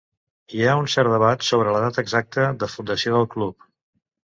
Hi ha un cert debat sobre la data exacta de fundació del club.